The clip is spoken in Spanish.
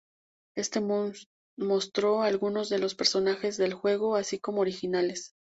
Este mostró algunos de los personajes del juego, así como originales.